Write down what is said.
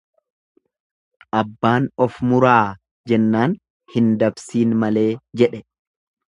Abbaan of muraa jennan hin dabsiin malee jedhe.